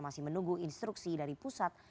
masih menunggu instruksi dari pusat